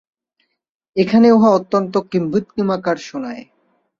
এখানে উহা অত্যন্ত কিম্ভূতকিমাকার শুনায়।